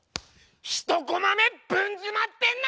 ひとコマ目ブン詰まってんな！